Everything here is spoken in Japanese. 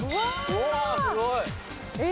うわすごい。え！